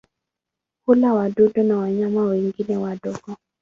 Hula wadudu na wanyama wengine wadogo.